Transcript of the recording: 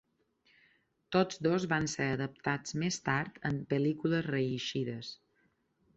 Tots dos van ser adaptats més tard en pel·lícules reeixides.